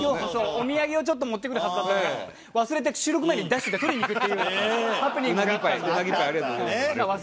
お土産をちょっと持ってくるはずだったのが忘れて収録前にダッシュで取りにいくっていうハプニングがあったんで「忘れ物」と。